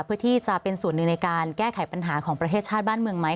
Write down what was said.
เพื่อที่จะเป็นส่วนหนึ่งในการแก้ไขปัญหาของประเทศชาติบ้านเมืองไหม